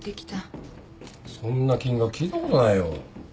そんな金額聞いたことないよ。